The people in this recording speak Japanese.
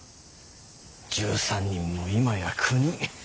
１３人も今や９人。